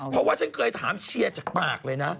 เพราะว่าฉันเคยถามเชียร์จากปากเลยนะ